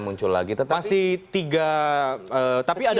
masih tiga tapi ada